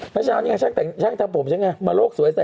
เมื่อเช้านี้ไงช่างแต่งช่างทำผมฉันไงมาโลกสวยใส่